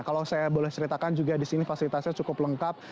kalau saya boleh ceritakan juga di sini fasilitasnya cukup lengkap